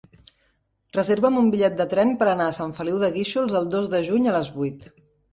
Reserva'm un bitllet de tren per anar a Sant Feliu de Guíxols el dos de juny a les vuit.